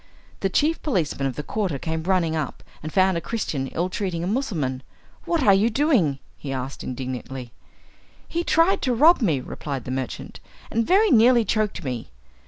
The chief policeman of the quarter came running up, and found a Christian ill treating a Mussulman. "What are you doing?" he asked indignantly. "He tried to rob me," replied the merchant, "and very nearly choked me."